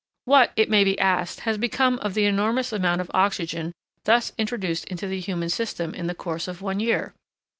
What, it may be asked, has become of the enormous amount of oxygen thus introduced into the human system in the course of one year?